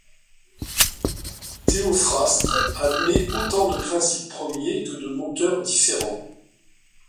Théophraste admet autant de Principes premiers que de Moteurs différents.